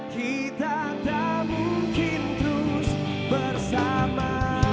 kita tak mungkin terus bersama